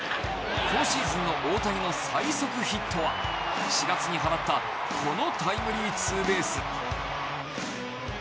今シーズンの大谷の最速ヒットは４月に放ったこのタイムリーツーベース。